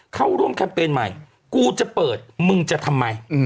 เข้าร่วมแคมเปญใหม่กูจะเปิดมึงจะทำไม